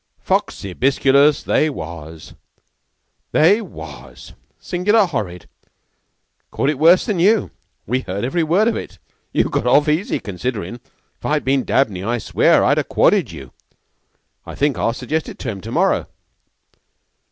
"Foxibusculus, they was. They was singular horrid. Caught it worse than you. We heard every word of it. You got off easy, considerin'. If I'd been Dabney I swear I'd ha' quodded you. I think I'll suggest it to him to morrow."